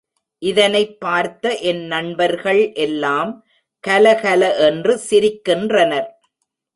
இதனைப் பார்த்த என் நண்பர்கள் எல்லாம் கலகல என்று சிரிக்கின்றனர்.